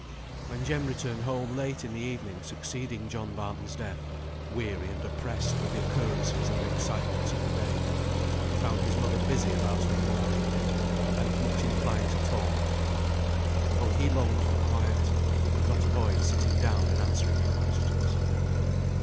When Jem returned home late in the evening succeeding John Barton's death, weary and oppressed with the occurrences and excitements of the day, he found his mother busy about her mourning, and much inclined to talk. Although he longed for quiet, he could not avoid sitting down and answering her questions.